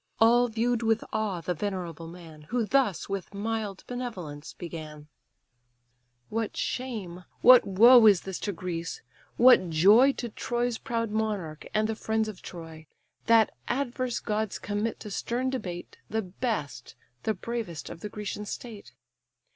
All view'd with awe the venerable man; Who thus with mild benevolence began:— "What shame, what woe is this to Greece! what joy To Troy's proud monarch, and the friends of Troy! That adverse gods commit to stern debate The best, the bravest, of the Grecian state.